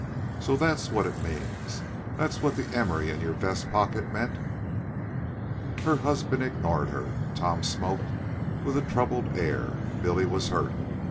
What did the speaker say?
"So that's what it means. That's what the emery in your vest pocket meant." Her husband ignored her. Tom smoked with a troubled air. Billy was hurt.